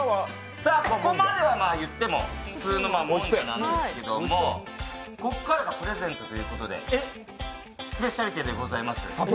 ここまではいっても普通のもんじゃなんですがここからがプレゼントということで、スペシャリテでございます。